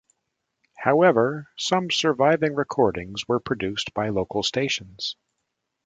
However, some surviving recordings were produced by local stations.